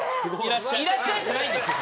「いらっしゃい」じゃないんですよ。